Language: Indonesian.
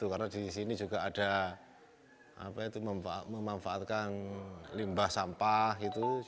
karena di sini juga ada memanfaatkan limbah sampah